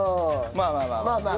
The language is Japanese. まあまあまあまあ。